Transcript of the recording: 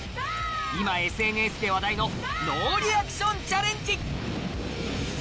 今ＳＮＳで話題のノーリアクションチャレンジ！